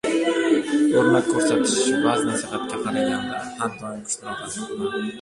O‘rnak ko‘rsatish va’z-nasihatga qaraganda har doim kuchliroq ta’sir qiladi.